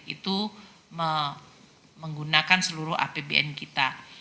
itu menggunakan seluruh apbn kita